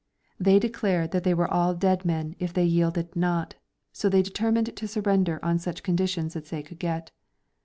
They declared that they were all dead men if they yielded not, so they determined to surrender on such conditions as they could get.'